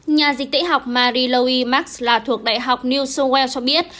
nhà dịch tễ học marie louis marx là thuộc đại học new south wales cho biết